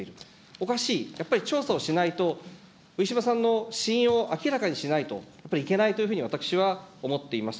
おかしい、やっぱり調査をしないと、ウィシュマさんの死因を明らかにしないと、やっぱりいけないというふうに私は思っています。